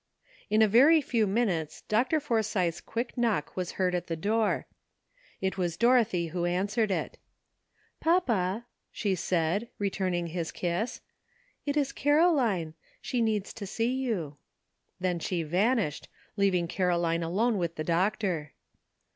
In a very few minutes Dr. Forsythe's quick knock was heard at the door. It was Dorothy who answered it. *'Papa," she said, returning his kiss, ''it is Caroline ; she needs to see you." Then she vanished, leaving Caroline alone with the doctor.